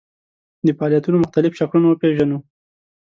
د فعالیتونو مختلف شکلونه وپېژنو.